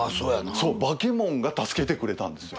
そう『バケモン』が助けてくれたんですよ。